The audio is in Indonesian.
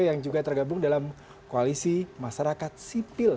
yang juga tergabung dalam koalisi masyarakat sipil